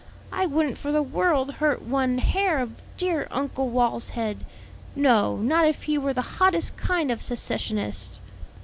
I wouldn't for the world hurt one hair of dear Uncle Wal's head; no, not if he were the hottest kind of secessionist."